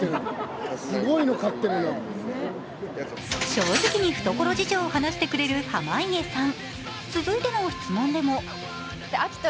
正直に懐事情を話してくれる濱家さん。